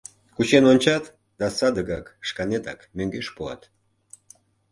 Кучен ончат да садыгак шканетак мӧҥгеш пуат.